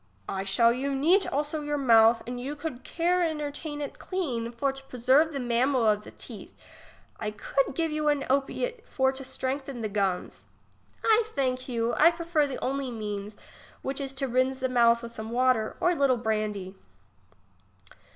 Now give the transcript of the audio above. I shall you neat also your mouth, and you could care entertain it clean, for to pre serve the mamel of the teeth ; I could give you a opiate for to strengthen the gums. I thank you ; I prefer the only means, which is to rinse the mouth with some water, or a little brandy.